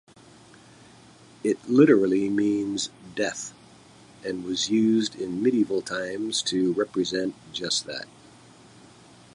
It literally means "death" and was used in medieval times to represent just that.